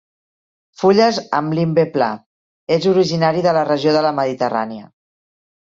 Fulles amb limbe pla. És originari de la regió de la Mediterrània.